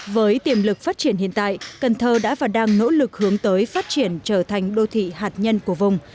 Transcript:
với tiềm lực phát triển hiện tại cần thơ đã và đang nỗ lực hướng tới phát triển trở thành đô thị hạt nhân của vùng